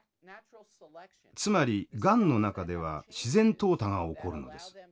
つまりがんの中では自然淘汰が起こるのです。